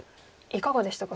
いかがでしたか？